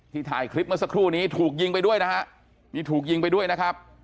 ถ่ายคลิปเมื่อสักครู่นี้ถูกยิงไปด้วยนะฮะมีถูกยิงไปด้วยนะครับ